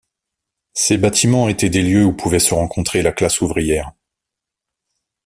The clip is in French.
Ces bâtiments étaient des lieux où pouvait se rencontrer la classe ouvrière.